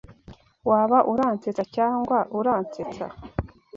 Waba uransetsa cyangwa uransetsa.